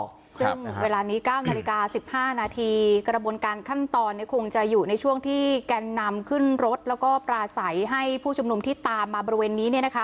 ซึ่งเวลานี้๙นาฬิกา๑๕นาทีกระบวนการขั้นตอนเนี่ยคงจะอยู่ในช่วงที่แกนนำขึ้นรถแล้วก็ปลาใสให้ผู้ชุมนุมที่ตามมาบริเวณนี้เนี่ยนะคะ